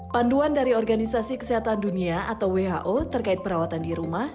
panduan dari organisasi kesehatan dunia atau who terkait perawatan di rumah